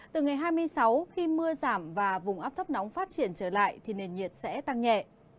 từ ngày hai mươi sáu khi mưa giảm và vùng áp thấp nóng phát triển trở lại thì nền nhiệt sẽ tăng nhẹ